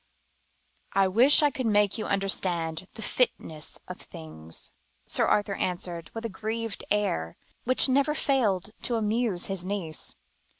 "I wish I could make you understand the fitness of things," Sir Arthur answered, with a grieved air, which never failed to amuse his niece.